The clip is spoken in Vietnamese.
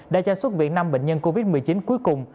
đã trao xuất việt nam bệnh nhân covid một mươi chín cuối cùng